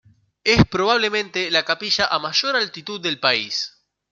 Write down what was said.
Es probablemente la capilla a mayor altitud del país.